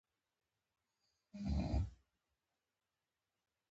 کابل د افغانستان د جغرافیایي موقیعت یوه څرګنده پایله ده.